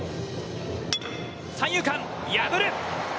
三遊間、破る！